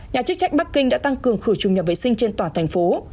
nhà chức trách bắc kinh đã tăng cường khử chung nhà vệ sinh trên tòa thành phố